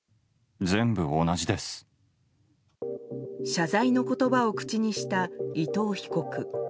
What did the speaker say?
謝罪の言葉を口にした伊藤被告。